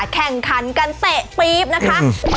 แข่งขันกันเตะปี๊บนะคะ